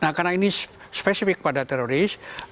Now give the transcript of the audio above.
nah karena ini spesifik pada teroris